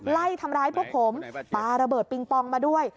ไล่ทำร้ายพวกผมปลาระเบิดปิงปองมาด้วย